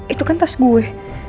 itu kan tas gue